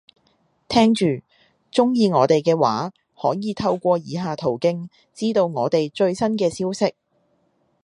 聽住，鍾意我哋嘅話，可以透過以下途徑，知道我哋最新嘅消息